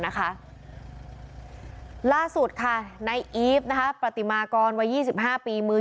นะคะล่าสุดค่ะในอีฟนะคะปฏิมากรวัย๒๕ปีมือ